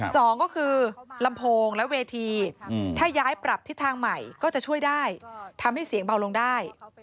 สองก็คือลำโพงและเวทีถ้าย้ายปรับทิศทางใหม่ก็จะช่วยได้ทำให้เสียงเบาลงได้